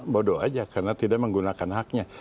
bodoh aja karena tidak menggunakan haknya